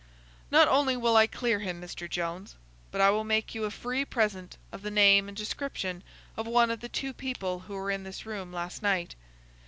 "Not only will I clear him, Mr. Jones, but I will make you a free present of the name and description of one of the two people who were in this room last night.